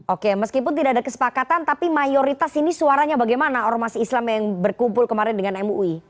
oke meskipun tidak ada kesepakatan tapi mayoritas ini suaranya bagaimana ormas islam yang berkumpul kemarin dengan mui